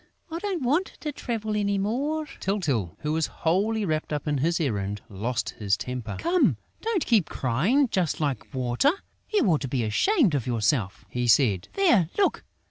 I don't want to travel any more!" Tyltyl, who was wholly wrapped up in his errand, lost his temper: "Come, don't keep on crying just like Water!... You ought to be ashamed of yourself!" he said. "There! Look!